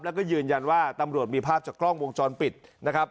แล้วก็ยืนยันว่าตำรวจมีภาพจากกล้องวงจรปิดนะครับ